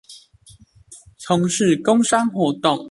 從事工商活動